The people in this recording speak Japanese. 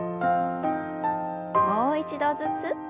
もう一度ずつ。